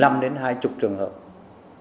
nhưng hiện nay chúng tôi không có thể thực hiện